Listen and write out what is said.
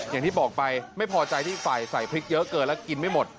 อย่างที่บอกไปไม่พอใจที่ฝ่ายใส่พริกเยอะเกินแล้วกินไม่หมด